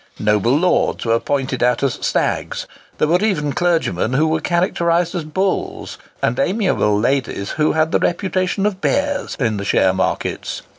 Noble lords were pointed at as "stags;" there were even clergymen who were characterised as "bulls;" and amiable ladies who had the reputation of "bears," in the share markets.